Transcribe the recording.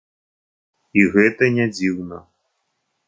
І гэта не дзіўна.